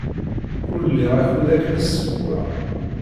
Ur liɣ akud akken ad ssewweɣ.